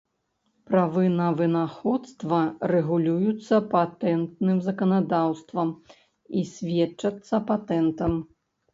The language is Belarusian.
Правы на вынаходства рэгулююцца патэнтным заканадаўствам і сведчацца патэнтам.